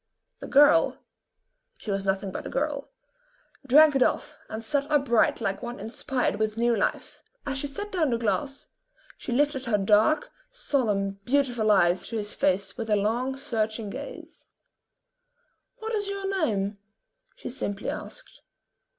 The girl she was nothing but a girl drank it off and sat upright like one inspired with new life. As she set down the glass, she lifted her dark, solemn, beautiful eyes to his face with a long, searching gaze. "What is your name?" she simply asked.